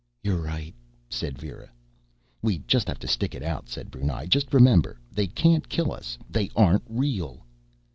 "You're right," said Vera. "We just have to stick it out," said Brunei. "Just remember: _They can't kill us. They aren't real.